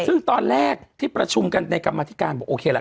ซึ่งตอนแรกที่ประชุมกันในกรรมธิการบอกโอเคละ